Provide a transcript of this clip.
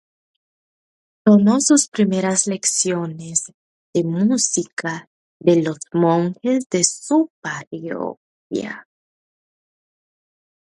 Tomó sus primeras lecciones de música de los monjes de su parroquia.